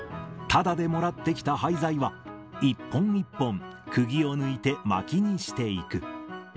ただでもらってきた廃材は、一本一本、くぎを抜いてまきにしていく。